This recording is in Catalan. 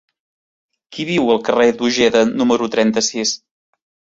Qui viu al carrer d'Ojeda número trenta-sis?